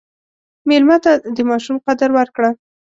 مېلمه ته د ماشوم قدر ورکړه.